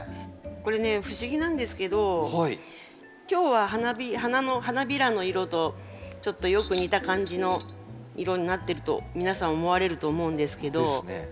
これね不思議なんですけど今日は花びらの色とちょっとよく似た感じの色になってると皆さん思われると思うんですけど。ですね。